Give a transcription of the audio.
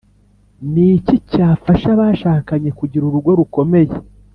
Ni iki cyafasha abashakanye kugira urugo rukomeye